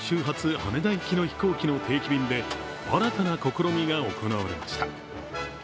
羽田行きの飛行機の定期便で新たな試みが行われました。